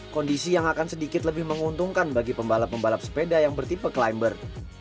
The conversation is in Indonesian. kondisi yang akan sedikit lebih menguntungkan bagi pembalap pembalap sepeda yang bertipe climber